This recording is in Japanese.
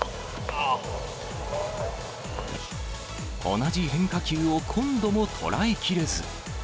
同じ変化球を今度も捉えきれず。